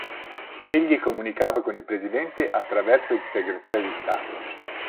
Egli comunicava con il Presidente attraverso il Segretario di Stato.